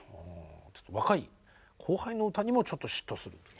若い後輩の歌にもちょっと嫉妬するという。